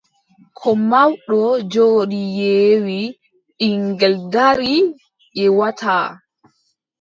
Ko mawɗo jooɗi ƴeewi, ɓiŋngel darii ƴeewataa.